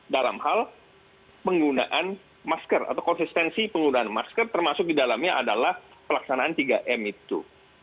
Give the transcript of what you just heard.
dalam hal penggunaan masker atau konsistensi penggunaan masker termasuk di dalamnya adalah pelaksanaan tiga m itu